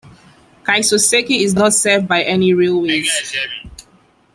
Kisosaki is not served by any railways.